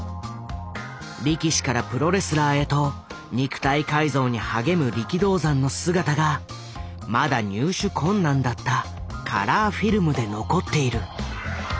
力士からプロレスラーへと肉体改造に励む力道山の姿がまだ入手困難だったカラーフィルムで残っている。